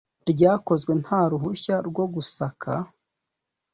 ryakozwe nta ruhushya rwo gusaka